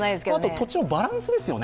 途中のバランスですよね。